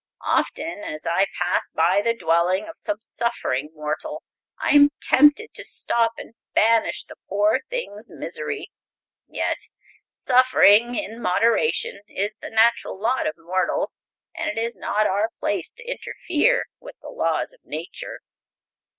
Often as I pass by the dwelling of some suffering mortal I am tempted to stop and banish the poor thing's misery. Yet suffering, in moderation, is the natural lot of mortals, and it is not our place to interfere with the laws of Nature."